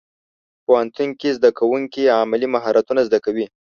پوهنتون کې زدهکوونکي عملي مهارتونه زده کوي.